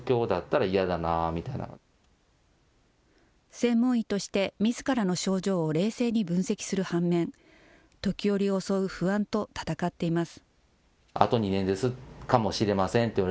専門医として、みずからの症状を冷静に分析する反面、時折襲う不安と闘っています。